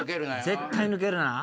絶対抜けるな。